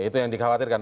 itu yang dikhawatirkan